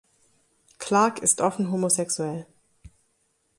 Clarke ist offen homosexuell.